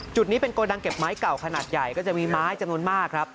จุดนี้เป็นโกดังเก็บไม้เก่าขนาดใหญ่ก็จะมีไม้จำนวนมากครับ